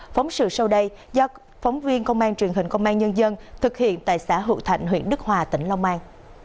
phóng sự sau đây do phóng viên công an truyền hình công an nhân dân thực hiện tại xã hữu thạnh huyện đức hòa tỉnh long an